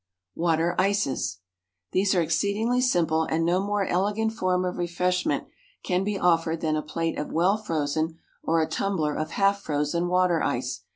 Water Ices. These are exceedingly simple, and no more elegant form of refreshment can be offered than a plate of well frozen or a tumbler of half frozen water ice.